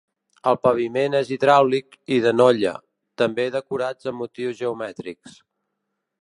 El paviment és hidràulic i de Nolla, també decorats amb motius geomètrics.